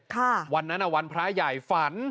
ค่ะวันนั้นวันพระใหญ่ฝัน